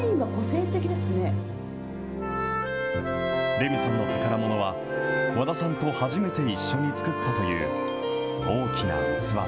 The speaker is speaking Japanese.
レミさんの宝ものは、和田さんと初めて一緒に作ったという大きな器。